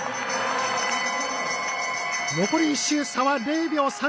残り１周、差は０秒３９。